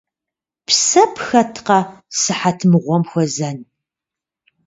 Псэ пхэткъэ, сыхьэт мыгъуэм хуэзэн?